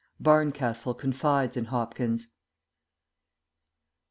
BARNCASTLE CONFIDES IN HOPKINS.